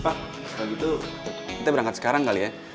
pak kita berangkat sekarang kali ya